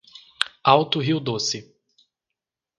Alto Rio Doce